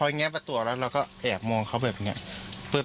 แงะประตูแล้วเราก็แอบมองเขาแบบนี้